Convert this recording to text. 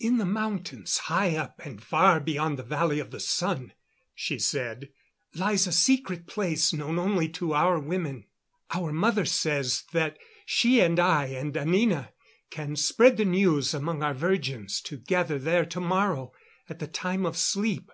"In the mountains, high up and far beyond the Valley of the Sun," she said, "lies a secret place known only to our women. Our mother says that she and I and Anina can spread the news among our virgins to gather there to morrow at the time of sleep.